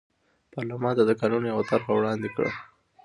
پارلمان ته د قانون یوه طرحه وړاندې کړه.